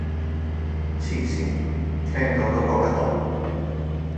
黐線，聽到都覺得毒